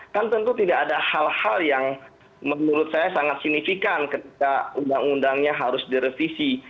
kan tentu tidak ada hal hal yang menurut saya sangat signifikan ketika undang undangnya harus direvisi